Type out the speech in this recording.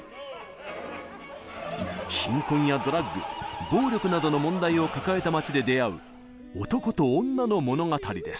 貧困やドラッグ暴力などの問題を抱えた街で出会う男と女の物語です。